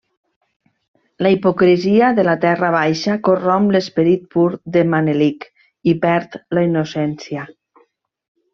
La hipocresia de la Terra baixa corromp l'esperit pur de Manelic i perd la innocència.